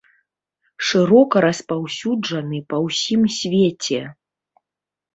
Шырока распаўсюджаны па ўсім свеце.